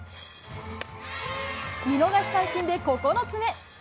見逃し三振で９つ目。